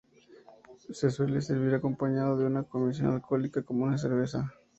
Se suele servir acompañado de una consumición alcohólica como una cerveza.